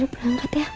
terima kasih si